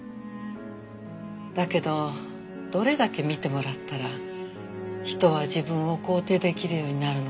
だけどどれだけ見てもらったら人は自分を肯定出来るようになるのかしらね。